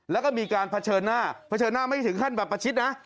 แล้วก็มีการเผชิญหน้าเผชิญหน้าไม่ถึงขั้นแบบประชิดนะ